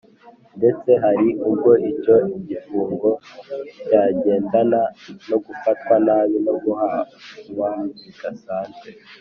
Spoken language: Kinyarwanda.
nde tse hari ubwo icyo gifungo cyagendana no gufatwa nabi no guhanwa bidasanzwe.